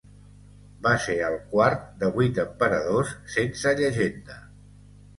Va ser el quart de vuit emperadors sense llegenda.